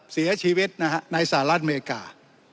เสียชีวิตนะฮะในสหรัฐอเมริกา